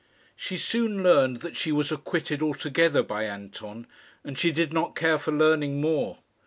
She soon learned that she was acquitted altogether by Anton, and she did not care for learning more.